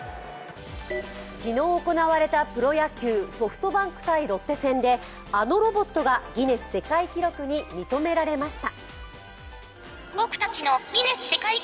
昨日行われたプロ野球、ソフトバンク×ロッテ戦であのロボットがギネス世界記録に認められました。